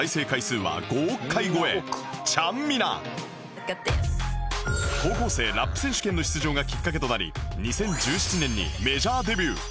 自身の高校生 ＲＡＰ 選手権の出場がきっかけとなり２０１７年にメジャーデビュー